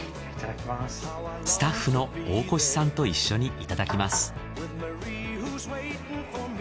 スタッフの大越さんと一緒にいただきます。